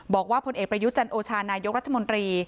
บอกว่าพลเอกประยุจันโอชานายกรัฐมนตรี